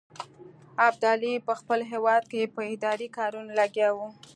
ابدالي په خپل هیواد کې په اداري کارونو لګیا وو.